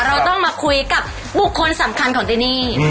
เราต้องมาคุยกับบุคคลสำคัญของที่นี่